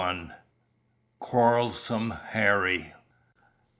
"QUARRELSOME HARRY."